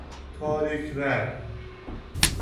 تاریک رأی